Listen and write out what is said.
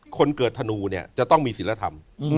คนเกิดธนูเนี่ยจะต้องมีศิลธรรม